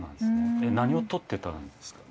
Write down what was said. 何を採ってたんですか？